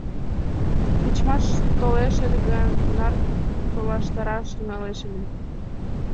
Тичмаш толеш ыле гын, кунар толаштараш тӱҥалеш ыле?